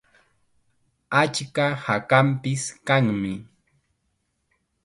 Achka hakanpis kanmi.